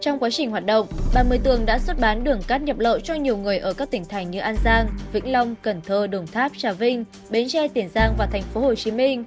trong quá trình hoạt động bà nguy tường đã xuất bán đường cát nhập lợi cho nhiều người ở các tỉnh thành như an giang vĩnh long cần thơ đồng tháp trà vinh bến tre tiền giang và tp hcm